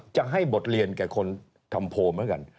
จะให้บทเรียนแก่คนทำโพลเหมือนกัน